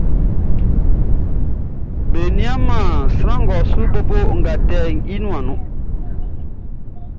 Be nianman sran ngʼɔ su bobo nʼgatɛ nuanʼn nun.